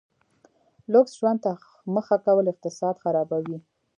لوکس ژوند ته مخه کول اقتصاد خرابوي.